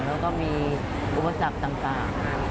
แล้วก็มีอุปสรรคต่าง